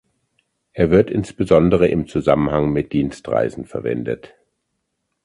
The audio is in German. Er wird insbesondere im Zusammenhang mit Dienstreisen verwendet.